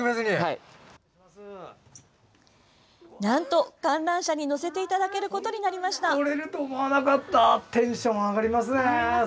なんと、観覧車に乗せていただけることになりました。